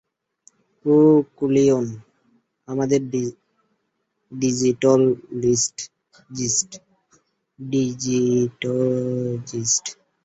ও কুলিয়ন, আমাদের ডিজিটলজিস্ট।